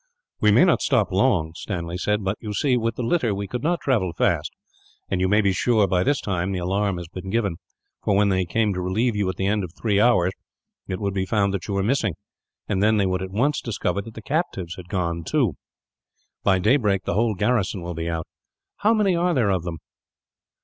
"We may not stop long," Stanley said; "but, you see, with the litter we could not travel fast; and you may be sure by this time the alarm has been given for, when they came to relieve you at the end of three hours, it would be found that you were missing; and then they would, at once, discover that the captives had gone, too. By daybreak the whole garrison will be out. How many are there of them?"